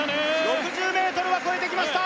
６０ｍは越えてきました